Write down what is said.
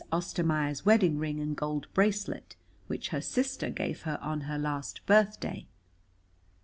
Ostermaier's wedding ring and gold bracelet, which her sister gave her on her last birthday.